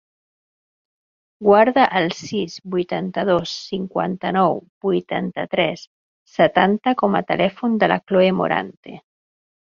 Guarda el sis, vuitanta-dos, cinquanta-nou, vuitanta-tres, setanta com a telèfon de la Chloé Morante.